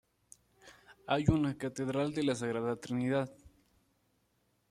Hay una Catedral de La Sagrada Trinidad.